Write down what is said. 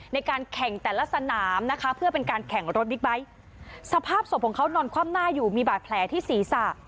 ในการแข่งแต่ละสนามนะคะเพื่อเป็นการแข่งรถบิ๊กไบท์สภาพศพของเขานอนคว่ำหน้าอยู่มีบาดแผลที่ศีรษะ